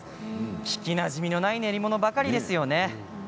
聞きなじみのない練り物ばかりですよね。